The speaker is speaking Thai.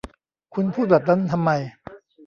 คุณพูดแบบนั้นทำไม